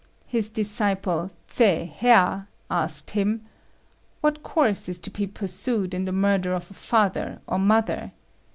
His disciple, Tsze Hea, asked him, 'What course is to be pursued in the murder of a father or mother?'